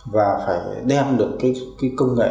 và phải đem được cái công nghệ